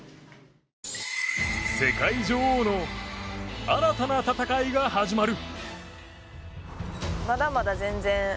世界女王の新たな戦いが始まる。